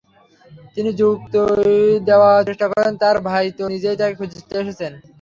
তিনি যুক্তি দেওয়ার চেষ্টা করেন, তাঁর ভাই তো নিজেই তাঁকে খুঁজতে এসেছিলেন।